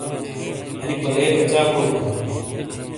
انی پَلے کَچاکوڑے دَوں؟